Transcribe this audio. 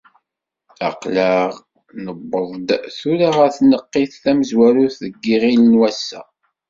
Aql-aɣ newweḍ-d tura ɣer tneqqiṭ tamezwarut deg ahil n wassa.